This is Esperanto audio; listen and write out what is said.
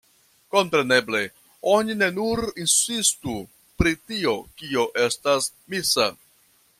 Kompreneble, oni ne nur insistu pri tio, kio estas misa.